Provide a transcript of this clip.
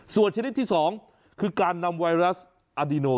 ส่วนชนิดที่๒คือการนำไวรัสอาดิโน